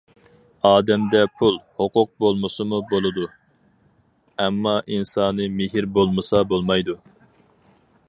ئادەمدە پۇل، ھوقۇق بولمىسىمۇ بولىدۇ، ئەمما ئىنسانىي مېھىر بولمىسا بولمايدۇ.